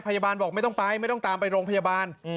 บอกไม่ต้องไปไม่ต้องตามไปโรงพยาบาล